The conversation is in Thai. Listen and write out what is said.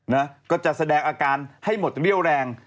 นะก็จะแสดงอาการให้หมดเรี่ยวแรง